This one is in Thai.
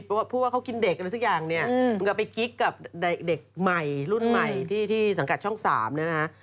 เพราะว่าเค้ากินเด็กหรือกันสักอย่างมันก็ไปกิ๊กกับเด็กรุ่นใหม่ที่สังขัดช่อง๓นะฮะ